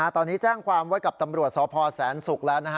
ตอนนี้แจ้งความไว้กับตำรวจสพแสนศุกร์แล้ว